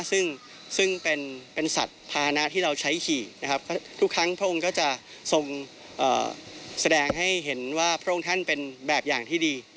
ซึ่งเป็นสัตว์ภานะที่เราใช้ขี่ทุกครั้งพระองค์ก็จะทรงแสดงให้เห็นว่าพระองค์ท่านเป็นแบบอย่างที่ดี